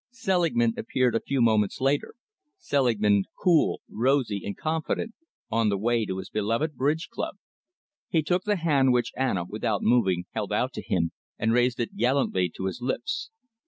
Selingman appeared a few moments later Selingman, cool, rosy, and confident, on the way to his beloved bridge club. He took the hand which Anna, without moving, held out to him, and raised it gallantly to his lips.